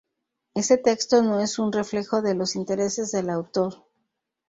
Este texto no es un reflejo de los intereses del autor.